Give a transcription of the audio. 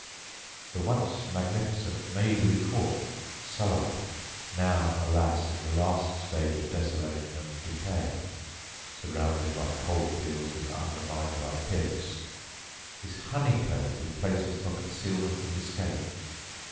The once magnificent Madeley Court, Salop (now, alas! in the last stage of desolation and decay, surrounded by coal fields and undermined by pits), is honeycombed with places for concealment and escape.